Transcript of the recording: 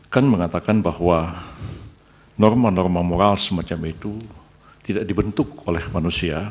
kan mengatakan bahwa norma norma moral semacam itu tidak dibentuk oleh manusia